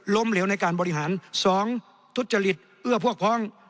เหลวในการบริหาร๒ทุจริตเอื้อพวกพ้อง